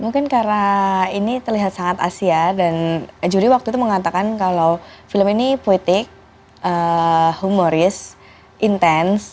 mungkin karena ini terlihat sangat asia dan juri waktu itu mengatakan kalau film ini puitik humoris intens